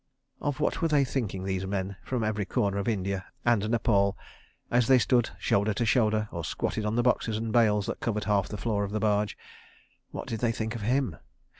Of what were they thinking, these men from every corner of India and Nepal, as they stood shoulder to shoulder, or squatted on the boxes and bales that covered half the floor of the barge? What did they think of him?